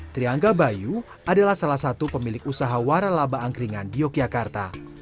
triangga bayu adalah salah satu pemilik usaha waralaba angkringan di yogyakarta